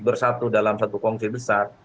bersatu dalam satu kongsi besar